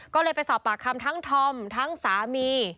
ก็เลยไปสอบปากคำทั้งธอมทั้งสามี